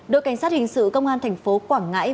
đội cảnh sát hình sự công an thành phố quảng ngãi